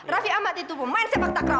raffi ahmad itu pemain sepak takraw iya kan